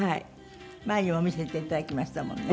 前にも見せていただきましたものね。